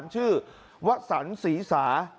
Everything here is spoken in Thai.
ชื่อวะสันศีริสา